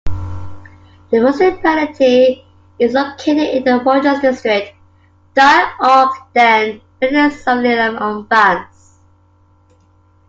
The municipality is located in the Morges district, die auch den Weiler Soveillame umfass.